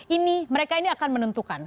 ini mereka ini akan menentukan